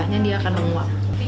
adanya dia akan menguap